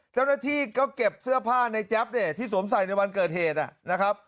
เจ้าหน้าที่ก็เก็บเสื้อผ้าในแจ๊บที่สวมใส่ในวันเกิดเหตุ